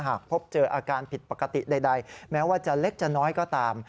หากพบเจออาการผิดปกติใดแม้ว่าจะเล็กจะน้อยก็ตาม